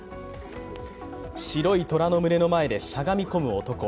白い虎の群れの前でしゃがみ込む男。